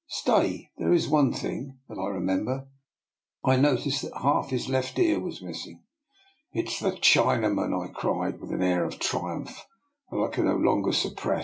— Stay, there is one other thing that Il8 DR. NIKOLA'S EXPERIMENT. I remember. I noticed that half his left ear was missing." *' It is the Chinaman!" I cried, with an air of triumph that I could no longer suppress.